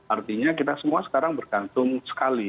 artinya kita semua sekarang bergantung sekali